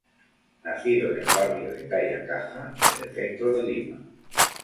Nacido en el barrio de Tayacaja, en el centro de Lima.